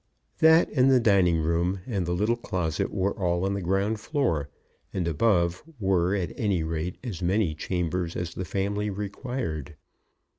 That and the dining room and the little closet were all on the ground floor, and above were at any rate as many chambers as the family required.